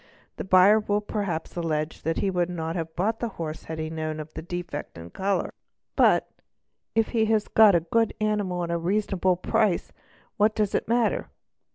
The buyer will perhaps allege _ that he would not have bought the horse if he had known of the defect in colour, but if he has got a good animal at a reasonable price what does it matter?